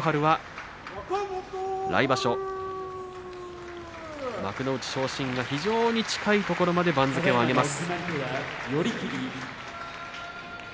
春は来場所幕内昇進が非常に近いところまで番付を上げます。